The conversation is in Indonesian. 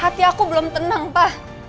hati aku belum tenang pak